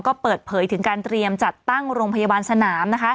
ก็เปิดเผยถึงการเตรียมจัดตั้งโรงพยาบาลสนาม